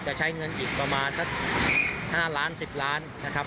จะใช้เงินอีกประมาณสัก๕ล้าน๑๐ล้านนะครับ